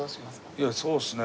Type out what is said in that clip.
いやそうっすね